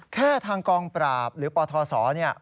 ทางกองปราบหรือปทศเนี่ย